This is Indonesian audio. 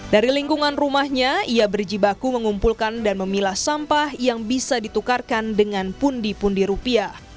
dari lingkungan rumahnya ia berjibaku mengumpulkan dan memilah sampah yang bisa ditukarkan dengan pundi pundi rupiah